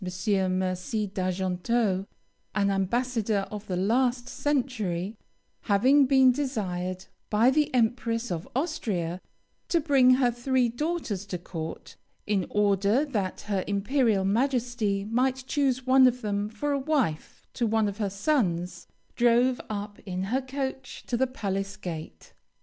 Mercy d'Argenteau, an ambassador of the last century, "having been desired by the Empress of Austria to bring her three daughters to court, in order that her Imperial Majesty might choose one of them for a wife to one of her sons, drove up in her coach to the palace gate.